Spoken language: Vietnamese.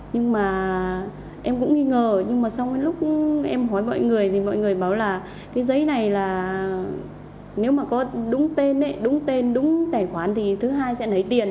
nhưng mà em cũng nghi ngờ nhưng mà xong cái lúc em hỏi mọi người thì mọi người bảo là cái giấy này là nếu mà có đúng tên đúng tên đúng tài khoản thì thứ hai sẽ lấy tiền